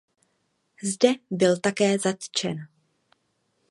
Zde byl také zatčen.